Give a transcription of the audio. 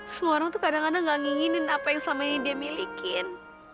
semua orang tuh kadang kadang gak ngingin apa yang selama ini dia milikin